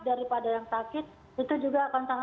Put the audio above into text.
daripada yang sakit itu juga akan sangat